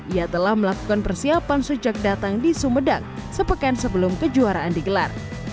ia telah melakukan persiapan sejak datang di sumedang sepekan sebelum kejuaraan digelar